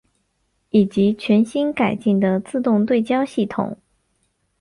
以及全新改进的自动对焦系统。